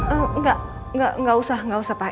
eh enggak enggak usah enggak usah pak